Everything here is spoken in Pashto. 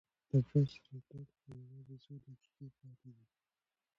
د بس راتګ ته یوازې څو دقیقې پاتې وې.